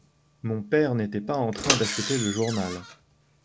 Mon père n'était pas en train d'acheter le journal.